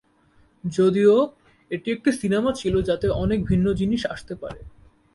যদিও, এটি একটি সিনেমা ছিল যাতে অনেক ভিন্ন জিনিস আসতে পারে।